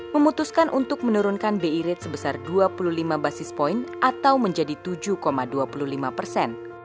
memutuskan untuk menurunkan bi rate sebesar dua puluh lima basis point atau menjadi tujuh dua puluh lima persen